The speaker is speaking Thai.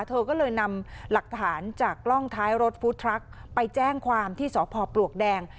เธอก็เลยนำหลักฐานจากกล้องท้ายรถฟู้ดทรัคไปแจ้งความที่สพปลวกแดง